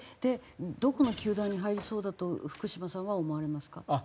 どこの球団に入りそうだと福島さんは思われますか？